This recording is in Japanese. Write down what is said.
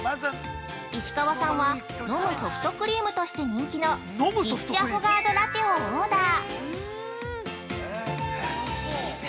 石川さんは飲むソフトクリームとして人気のリッチアフォガード・ラテをオーダー。